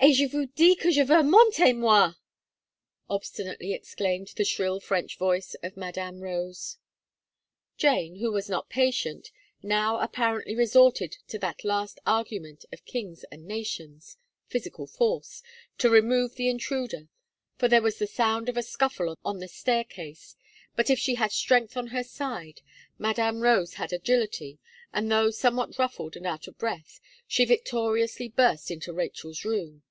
"Et je vous dis que je veux monter, moi!" obstinately exclaimed the shrill French voice of Madame Rose. Jane, who was not patient, now apparently resorted to that last argument of kings and nations, physical force, to remove the intruder, for there was the sound of a scuffle on the staircase, but if she had strength on her side, Madame Rose had agility, and though somewhat ruffled and out of breath, she victoriously burst into Rachel's room.